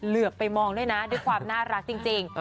เหลือไปมองด้วยนะด้วยความน่ารักจริง